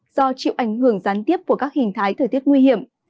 do chịu ảnh hưởng gián tiếp của các hình thái thời tiết nguy hiểm